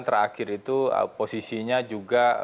terakhir itu posisinya juga